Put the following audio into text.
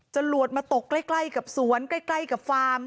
จะหลวดมาตกใกล้ใกล้กับสวนใกล้ใกล้กับฟาร์ม